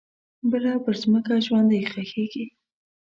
بله پرمځکه ژوندۍ ښخیږې